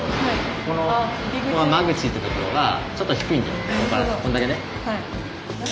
ここの間口ってところがちょっと低いんだよ